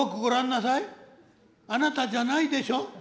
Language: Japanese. あなたじゃないでしょ」。